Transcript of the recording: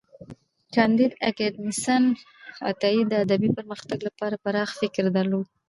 کانديد اکاډميسن عطايي د ادبي پرمختګ لپاره پراخ فکر درلود.